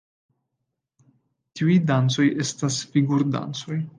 Tiuj dancoj estis figur-dancoj.